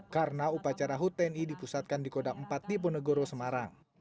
karena upacara hut tni dipusatkan di kodak empat di ponegoro semarang